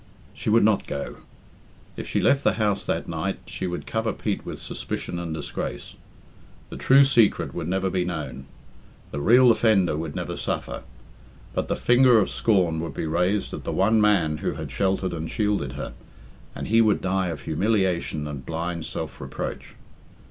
She would not go. If she left the house that night she would cover Pete with suspicion and disgrace. The true secret would never be known; the real offender would never suffer; but the finger of scorn would be raised at the one man who had sheltered and shielded her, and he would die of humiliation and blind self reproach.